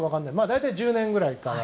大体１０年くらいから。